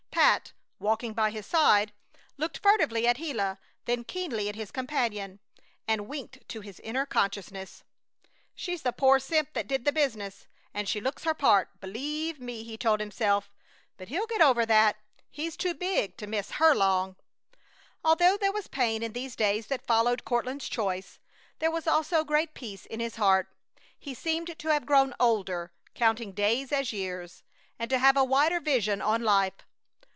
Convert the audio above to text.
Pat, walking by his side, looked furtively at Gila then keenly at his companion, and winked to his inner consciousness. "She's the poor simp that did the business! And she looks her part, b'leeve me!" he told himself. "But he'll get over that! He's too big to miss her long!" Although there was pain in these days that followed Courtland's choice, there was also great peace in his heart. He seemed to have grown older, counting days as years, and to have a wider vision on life.